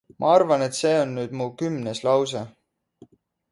Ma arvan et see on nüüd mu kümnes lause.